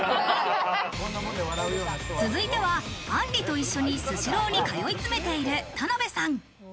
あんた続いては、あんりと一緒にスシローに通い詰めている、田辺さん。